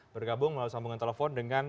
bergabung melalui sambungan telepon dengan